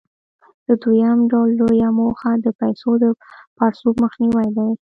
د دویم ډول لویه موخه د پیسو د پړسوب مخنیوى دی.